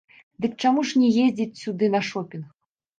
Дык чаму ж не ездзіць сюды на шопінг?